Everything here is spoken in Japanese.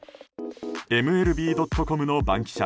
ＭＬＢ．ｃｏｍの番記者